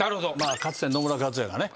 かつて野村克也がね